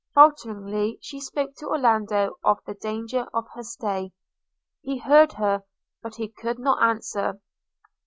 – Falteringly she spoke to Orlando of the danger of her stay – he heard her, but he could not answer.